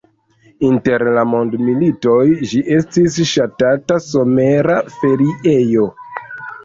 Inter la mondmilitoj ĝi estis ŝatata somera feriejo.